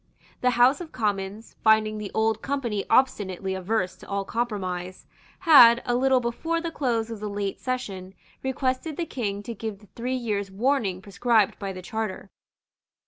The House of Commons, finding the Old Company obstinately averse to all compromise, had, a little before the close of the late session, requested the King to give the three years' warning prescribed by the Charter.